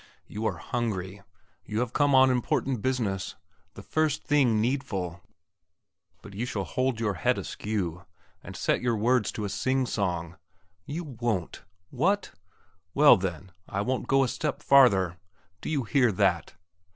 You are hungry; you have come on important business the first thing needful. But you shall hold your head askew, and set your words to a sing song. You won't! What? Well then, I won't go a step farther. Do you hear that?